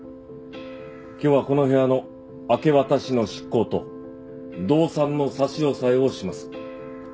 今日はこの部屋の明け渡しの執行と動産の差し押さえをします。